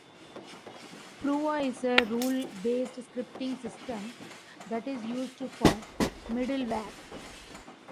Prova is a rule-based scripting system that is used for middleware.